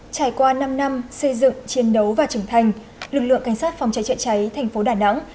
trải qua năm năm xây dựng chiến đấu và trưởng thành lực lượng cảnh sát phòng cháy chữa cháy thành phố đà nẵng